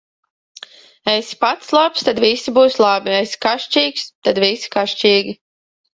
Esi pats labs, tad visi būs labi; esi kašķīgs, tad visi kašķīgi.